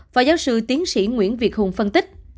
phó giáo sư tiến sĩ nguyễn việt hùng phân tích